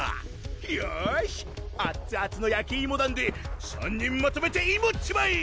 よしあっつあつのやきいも弾で３人まとめてイモっちまえ！